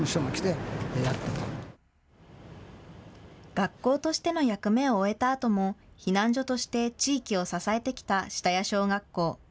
学校としての役目を終えたあとも避難所として地域を支えてきた下谷小学校。